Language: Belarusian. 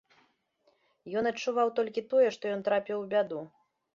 Ён адчуваў толькі тое, што ён трапіў у бяду.